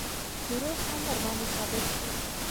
دروغ هم ورباندې ثابت شول.